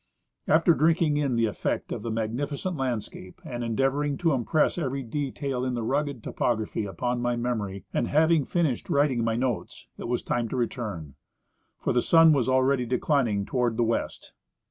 After drinking in the efi'ect of the magnificent landscape and endeavoring to impress every detail in the rugged topography upon my memory, and having finished Avriting my notes, it was time to return ; for the sun was already declining toward the west.